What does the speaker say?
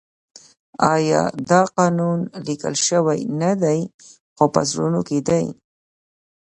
آیا دا قانون لیکل شوی نه دی خو په زړونو کې دی؟